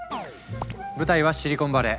舞台はシリコンバレー。